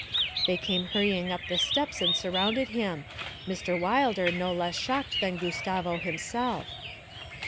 They came hurrying up the steps and surrounded him, Mr. Wilder no less shocked than Gustavo himself.